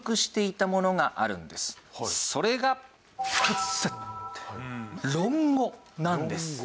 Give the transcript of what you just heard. それが『論語』なんです。